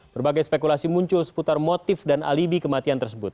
berbagai spekulasi muncul seputar motif dan alibi kematian tersebut